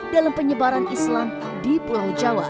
dalam penyebaran islam agama islam dan kebijakan